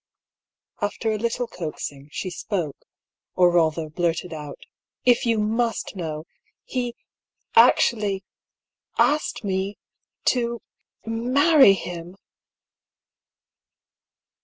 After a little coaxing, she spoke, or rather blurted out : "If you must know — he actually — ^asked me— to marry him